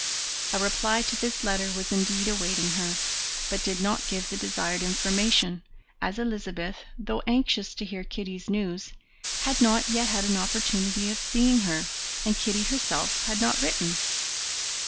A reply to this letter was indeed awaiting her, but did not give the desired information, as Elizabeth, though anxious to hear Kitty's news, had not yet had an opportunity of seeing her, and Kitty herself had not written.